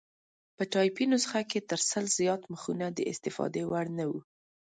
په ټایپي نسخه کې تر سل زیات مخونه د استفادې وړ نه وو.